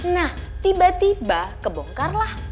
nah tiba tiba kebongkarlah